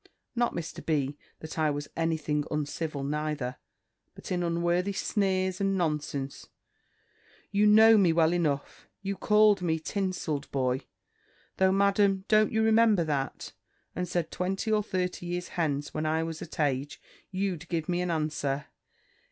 Not, Mr. B., that I was any thing uncivil neither; but in unworthy sneers, and nonsense. You know me well enough. You called me, tinsell'd boy, though, Madam, don't you remember that? and said, _twenty or thirty years hence, when I was at age, you'd give me an answer.